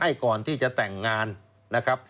ให้ก่อนที่จะแต่งงานนะครับ